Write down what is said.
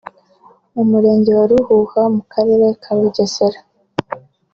mu murenge wa Ruhuha mu Karere ka Bugesera